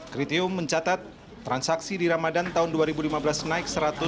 kritium mencatat transaksi di ramadan tahun dua ribu lima belas naik satu ratus enam puluh